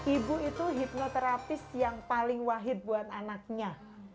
ibu itu hipnoterapis yang paling wahid buat anaknya